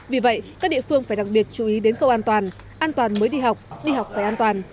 vì vậy các địa phương phải đặc biệt chú ý đến câu an toàn an toàn mới đi học đi học phải an toàn